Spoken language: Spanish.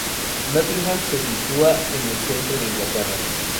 Nottingham se sitúa en el centro de Inglaterra.